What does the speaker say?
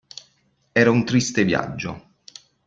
Era un triste viaggio.